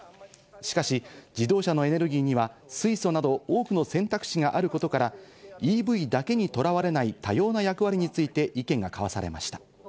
しかし、自動車のエネルギーには、水素など多くの選択肢があることから、ＥＶだけにとらわれない多様な役割について意見が交わされました。